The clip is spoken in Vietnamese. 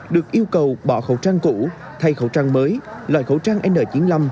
được yêu cầu bỏ khẩu trang cũ thay khẩu trang mới loại khẩu trang n chín mươi năm